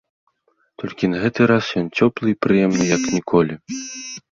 Толькі на гэты раз ён цёплы і прыемны як ніколі.